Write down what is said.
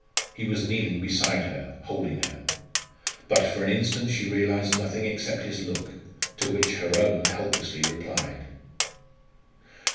He was kneeling beside her, holding her. But for an instant she realised nothing except his look, to which her own helplessly replied.